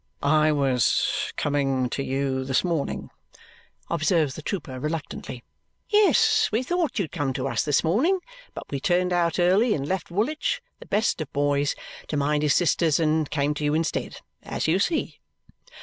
"I was coming to you this morning," observes the trooper reluctantly. "Yes, we thought you'd come to us this morning, but we turned out early and left Woolwich, the best of boys, to mind his sisters and came to you instead as you see!